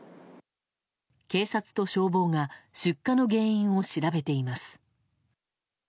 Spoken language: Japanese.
警察と消防が出火の原因を調べています。